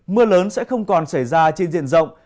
mưa lớn sẽ không còn xảy ra trên diện rộng